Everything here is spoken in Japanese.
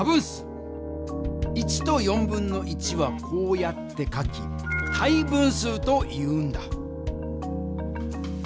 １と1/4はこうやって書き「帯分数」というんだ。